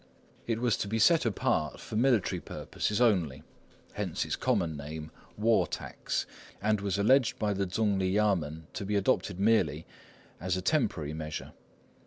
It was to be set apart for military purposes only,—hence its common name "war tax,"—and was alleged by the Tsung li Yamên to be adopted merely as a temporary measure.